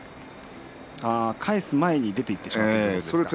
返す前に出ていってしまったということですか。